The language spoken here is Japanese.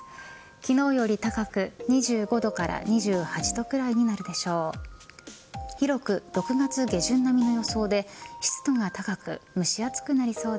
昨日より高く２５度から２８度くらいになるでしょう。